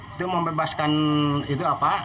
itu membebaskan itu apa